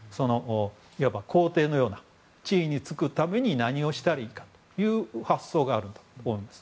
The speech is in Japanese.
いわば皇帝のような地位に就くために何をしたらいいかという発想があると思います。